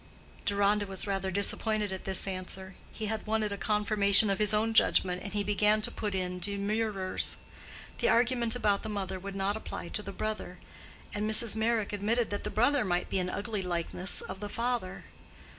Deronda was rather disappointed at this answer; he had wanted a confirmation of his own judgment, and he began to put in demurrers. The argument about the mother would not apply to the brother; and Mrs. Meyrick admitted that the brother might be an ugly likeness of the father.